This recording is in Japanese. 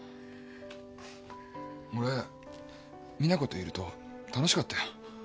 俺実那子といると楽しかったよ。